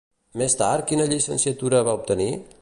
Més tard, quina llicenciatura va obtenir?